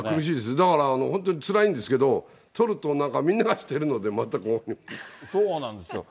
だから本当につらいんですけど、取るとなんかみそうなんですよ。